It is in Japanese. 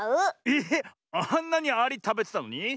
ええっあんなにアリたべてたのに？